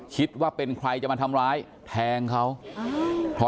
คิดว่าเป็นใครจะมาทำร้ายแทงเขาพอ